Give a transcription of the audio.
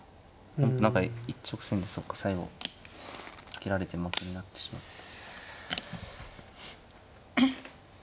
何か一直線でそうか最後負けになってしまった。